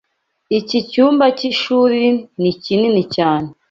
Iki cyumba cy'ishuri ni kinini cyane.